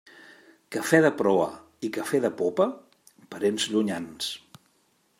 Café de proa i café de popa, parents llunyans.